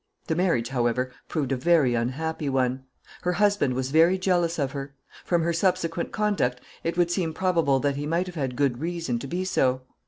The marriage, however, proved a very unhappy one. Her husband was very jealous of her. From her subsequent conduct it would seem probable that he might have had good reason to be so.